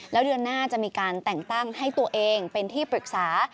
แล้วเดือนหน้าจะมีการแต่งตั้งให้ตัวเองเป็นที่ปรึกษา